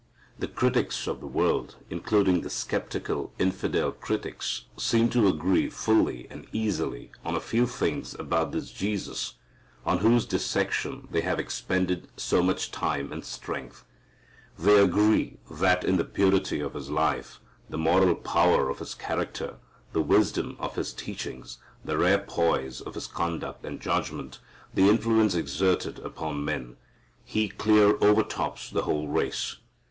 The critics of the world, including the skeptical, infidel critics, seem to agree fully and easily on a few things about this Jesus on whose dissection they have expended so much time and strength. They agree that in the purity of His life, the moral power of His character, the wisdom of His teachings, the rare poise of His conduct and judgment, the influence exerted upon men, He clear over tops the whole race.